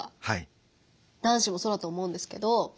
男子もそうだと思うんですけど。